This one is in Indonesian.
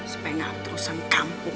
supaya gak ada terusan kampung